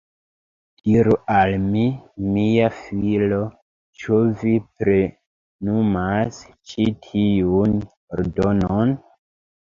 Diru al mi, mia filo, ĉu vi plenumas ĉi tiun ordonon?